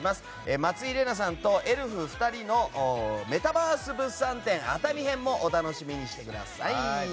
松井玲奈さんとエルフ２人のメタバース物産展・熱海編もお楽しみにしてください。